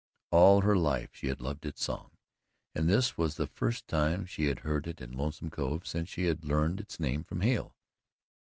All her life she had loved its song, and this was the first time she had heard it in Lonesome Cove since she had learned its name from Hale.